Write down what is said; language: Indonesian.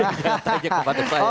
jangan tanya kepada saya